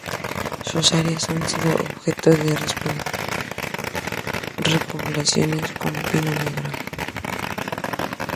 Sus áreas han sido objeto de repoblaciones con pino negral.